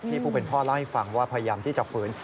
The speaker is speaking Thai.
ผู้เป็นพ่อเล่าให้ฟังว่าพยายามที่จะฝืน